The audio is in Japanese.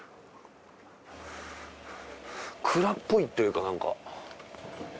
蔵っぽいというかなんか。